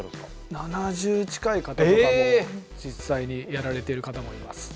７０近い方とかも実際にやられてる方もいます。